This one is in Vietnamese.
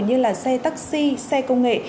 như là xe taxi xe công nghệ